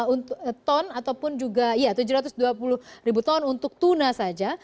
untuk ton ataupun juga tujuh ratus dua puluh ribu ton untuk tuna saja